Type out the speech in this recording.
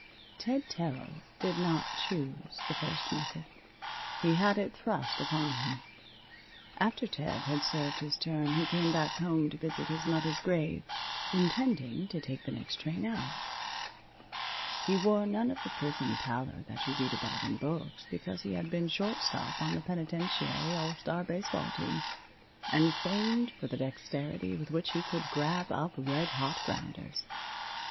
Ted Terrill did not choose the first method. He had it thrust upon him. After Ted had served his term he came back home to visit his mother's grave, intending to take the next train out. He wore none of the prison pallor that you read about in books, because he had been shortstop on the penitentiary all star baseball team, and famed for the dexterity with which he could grab up red hot grounders.